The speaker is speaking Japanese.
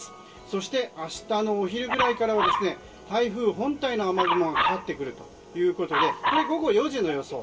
そして、明日のお昼ぐらいからは台風本体の雨雲がかかってくるということでこれ、午後４時の予想。